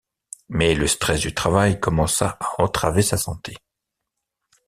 Mais le stress du travail commença à entraver sa santé.